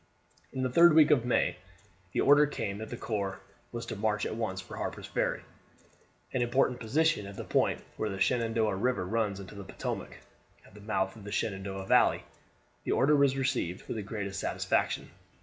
In the third week in May the order came that the corps was to march at once for Harper's Ferry an important position at the point where the Shenandoah River runs into the Potomac, at the mouth of the Shenandoah Valley. The order was received with the greatest satisfaction.